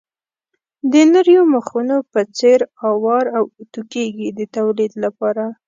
د نریو مخونو په څېر اوار او اتو کېږي د تولید لپاره.